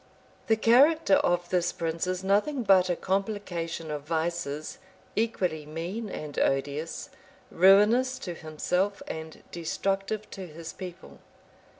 The character of this prince is nothing but a complication of vices, equally mean and odious; ruinous to himself and destructive to his people.